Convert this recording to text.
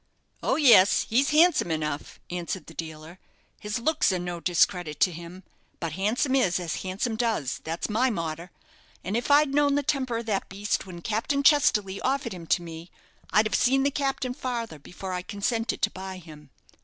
"Oh, yes, he's handsome enough," answered the dealer. "His looks are no discredit to him; but handsome is as handsome does that's my motter; and if I'd known the temper of that beast when Captain Chesterly offered him to me, I'd have seen the captain farther before I consented to buy him.